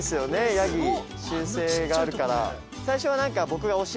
ヤギ習性があるから。